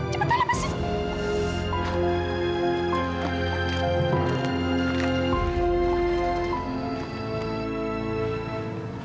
cepetan lepas sini